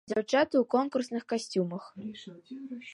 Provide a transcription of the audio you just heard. Дзяўчаты ў конкурсных касцюмах.